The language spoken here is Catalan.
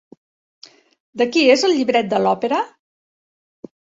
De qui és el llibret de l'òpera?